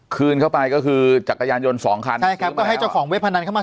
คืนเข้าไปก็คือจักรยานยนต์สองคันใช่ครับก็ให้เจ้าของเว็บพนันเข้ามา